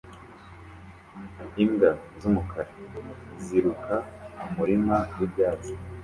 Imbwa z'umukara ziruka mu murima w'ibyatsi